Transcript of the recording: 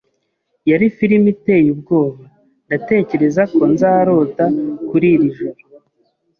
Yari firime iteye ubwoba. Ndatekereza ko nzarota kuri iri joro.